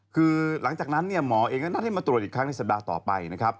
คือหลังจากนั้นเนี่ยหมอเองก็นัดให้มาตรวจอีกครั้งในสัปดาห์ต่อไปนะครับ